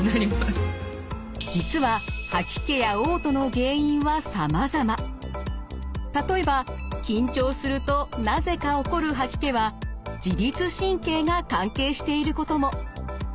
１日目は実は例えば緊張するとなぜか起こる吐き気は自律神経が関係していることも。